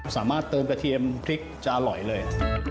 สามารถเติมกระเทียมพริกจะอร่อยเลย